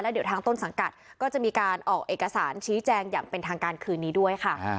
เดี๋ยวทางต้นสังกัดก็จะมีการออกเอกสารชี้แจงอย่างเป็นทางการคืนนี้ด้วยค่ะ